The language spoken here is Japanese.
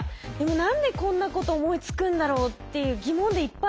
何でこんなこと思いつくんだろうっていう疑問でいっぱいですね。